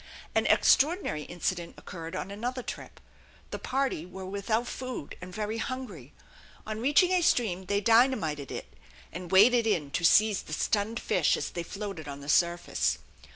An extraordinary incident occurred on another trip. The party were without food and very hungry. On reaching a stream they dynamited it, and waded in to seize the stunned fish as they floated on the surface.